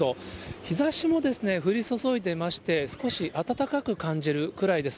日ざしも降り注いでまして、少し暖かく感じるくらいです。